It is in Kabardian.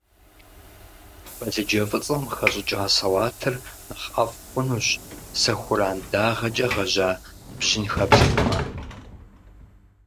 Балыджэ фӀыцӀэм къыхэщӀыкӀа салатыр нэхъ ӀэфӀ хъунущ, сэхуран дагъэкӀэ гъэжьа бжьын хэплъхьэмэ.